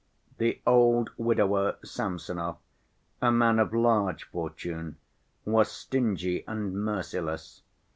The old widower Samsonov, a man of large fortune, was stingy and merciless.